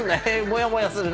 もやもやする。